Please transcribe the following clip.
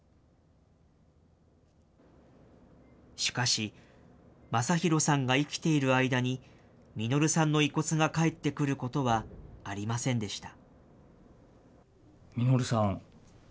しかし、昌弘さんが生きている間に、實さんの遺骨が返ってくることはありませんでした。